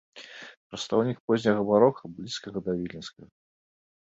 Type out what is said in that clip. Прадстаўнік позняга барока, блізкага да віленскага.